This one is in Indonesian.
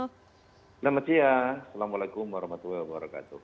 selamat siang assalamualaikum warahmatullahi wabarakatuh